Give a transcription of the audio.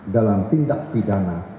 dalam tindak pidana